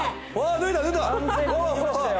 脱いだよ。